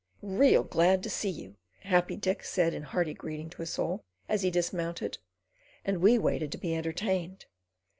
"Real glad to see you," Happy Dick said in hearty greeting to us all as he dismounted, and we waited to be entertained.